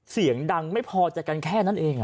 เสียงดังไม่พอใจกันแค่นั้นเอง